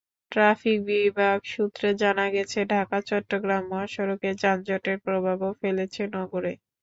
Traffic বিভাগ সূত্রে জানা গেছে, ঢাকা-চট্টগ্রাম মহাসড়কে যানজটের প্রভাবও ফেলেছে নগরে।